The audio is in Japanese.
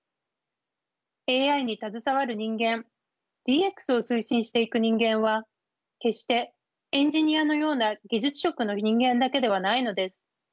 ＡＩに携わる人間ＤＸを推進していく人間は決してエンジニアのような技術職の人間だけではないのです。